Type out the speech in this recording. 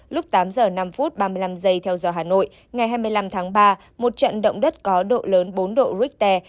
lúc tám giờ năm phút ba mươi năm giây theo giờ hà nội ngày hai mươi năm tháng ba một trận động đất có độ lớn bốn độ richter